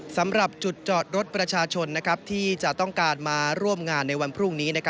สำหรับจุดจอดรถประชาชนที่จะต้องการมาร่วมงานในวันพรุ่งนี้